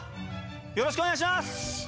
よろしくお願いします！」。